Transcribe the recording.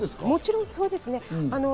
もちろんそうですね。